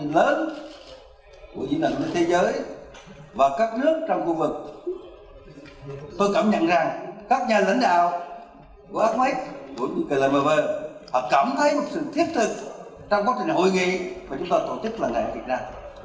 và các nước trong khu vực tôi cảm nhận rằng các nhà lãnh đạo của akm của kmv họ cảm thấy một sự thiết thực trong quá trình hội nghị mà chúng ta tổ chức lần này ở việt nam